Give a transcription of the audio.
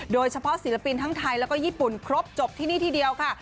โดยเฉพาะศิลปินทั้งไทยและญี่ปุ่นครบจบที่นี่ทีเดียวค่ะ